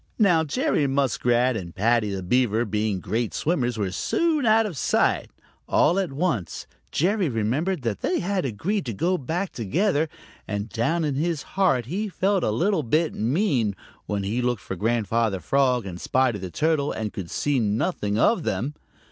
Now Jerry Muskrat and Paddy the Beaver, being great swimmers, were soon out of sight. All at once Jerry remembered that they had agreed to go back together, and down in his heart he felt a little bit mean when he looked for Grandfather Frog and Spotty the Turtle and could see nothing of them.